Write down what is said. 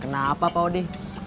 kenapa pak odi